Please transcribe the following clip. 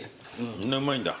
そんなうまいんだ。